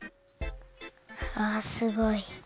あすごい。